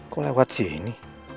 kok lewat sini